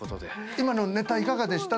今のネタいかがでした？